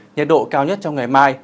nhật độ cao nhất trong ngày mai